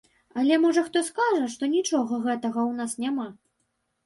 Але можа хто скажа, што нічога гэтакага ў нас няма?